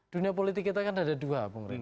dunia politik kita kan ada dua